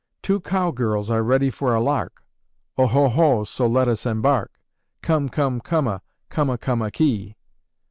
"Two cowgirls are ready for a lark. Oho ho, so let us embark. Come, come, coma, Coma, coma, kee."